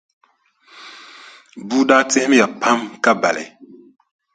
Bua daa tihimya pam ka bali.